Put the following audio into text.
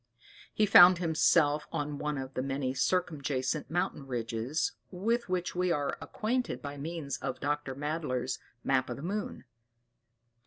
He found himself on one of the many circumjacent mountain ridges with which we are acquainted by means of Dr. Madler's "Map of the Moon."